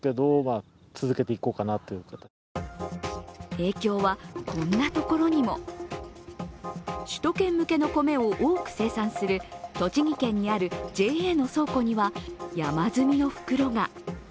影響はこんなところにも首都圏向けの米を多く生産する栃木県にあるＪＡの倉庫には山積みの袋が。